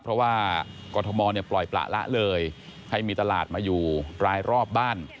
เพราะว่ากรทมปล่อยประละเลยให้มีตลาดมาอยู่รายรอบบ้าน